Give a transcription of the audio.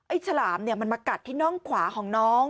ฉลามเนี่ยมันมากัดที่น่องขวาของน้อง